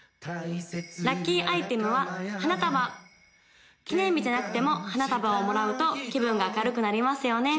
・ラッキーアイテムは花束記念日じゃなくても花束をもらうと気分が明るくなりますよね・